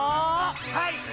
はい！